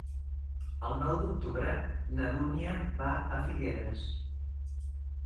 El nou d'octubre na Dúnia va a Figueres.